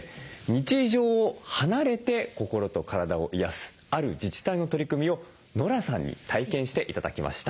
日常を離れて心と体を癒やすある自治体の取り組みをノラさんに体験して頂きました。